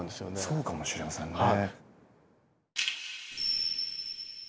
そうかもしれませんね。